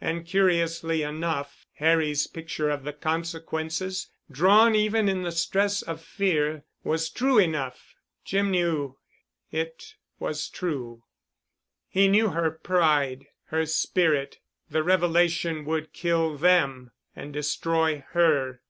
And curiously enough Harry's picture of the consequences, drawn even in the stress of fear, was true enough—Jim knew it—was true. He knew her pride, her spirit. The revelation would kill them—and destroy her.